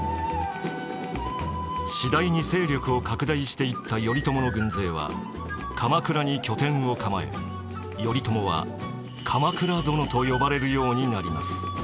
次第に勢力を拡大していった頼朝の軍勢は鎌倉に拠点を構え頼朝は鎌倉殿と呼ばれるようになります。